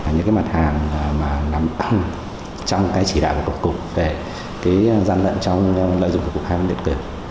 những mặt hàng nắm tăng trong chỉ đạo của cục để gian lận trong lợi dụng của cục hải quan điện kiểm